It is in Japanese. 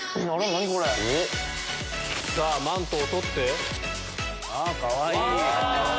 さぁマントを取って。かわいい！